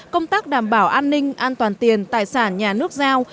công tác đảm bảo an ninh an toàn tiền tài sản nhà nước giao